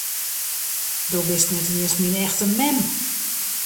Do bist net iens myn echte mem!